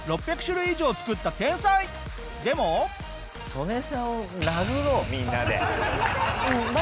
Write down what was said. ソネさんを殴ろうみんなで。